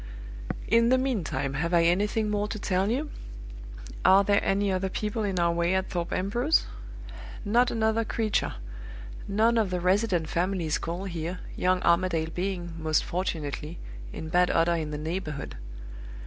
"In the meantime, have I anything more to tell you? Are there any other people in our way at Thorpe Ambrose? Not another creature! None of the resident families call here, young Armadale being, most fortunately, in bad odor in the neighborhood.